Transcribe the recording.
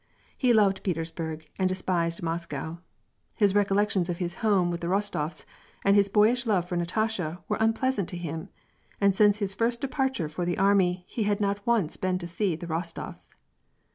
He loved Petersburg and despised Moscow. His recollections of his home with the Rostofs and his boyish love for Natasha were unpleasant to him, and since his first departure for the army, he had not once been to see the Kos tois.